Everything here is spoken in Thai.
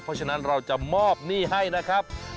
เพราะฉะนั้นเราจะมอบหนี้ให้นะครับ